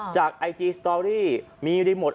ไอจีสตอรี่มีรีโมท